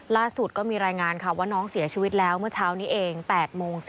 ล่าสุดก็มีรายงานค่ะว่าน้องเสียชีวิตแล้วเมื่อเช้านี้เอง๘โมง